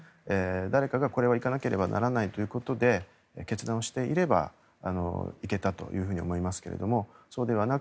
誰かがこれは行かなければならないということで決断をしていれば行けたというふうに思いますがそう